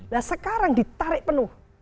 nah sekarang ditarik penuh